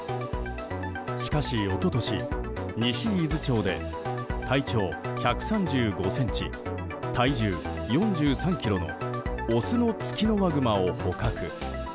しかし一昨年、西伊豆町で体長１３５ｃｍ、体重４３ｋｇのオスのツキノワグマを捕獲。